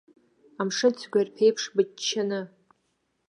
Амшын цәқәырԥеиԥш быччаны.